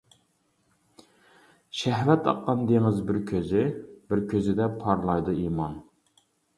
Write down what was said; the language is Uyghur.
شەھۋەت ئاققان دېڭىز بىر كۆزى، بىر كۆزىدە پارلايدۇ ئىمان.